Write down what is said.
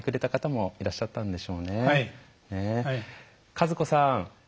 和子さん。